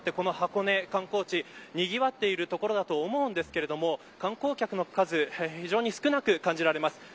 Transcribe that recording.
この箱根、観光地にぎわっている所だと思うんですけれども観光客の数が非常に少なく感じられます。